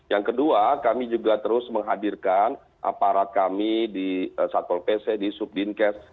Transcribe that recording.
yang kedua kami juga terus menghadirkan aparat kami di satpol pc di subdinkes